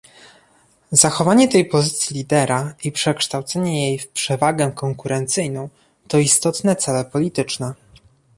Zachowanie tej pozycji lidera i przekształcenie jej w przewagę konkurencyjną to istotne cele polityczne